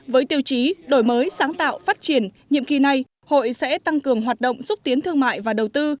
với tiêu chí đổi mới sáng tạo phát triển nhiệm kỳ này hội sẽ tăng cường hoạt động xúc tiến thương mại và đầu tư